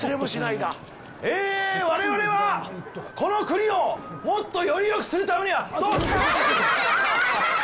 え我々はこの国をもっとよりよくするためには。